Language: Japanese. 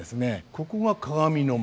ここが鏡の間。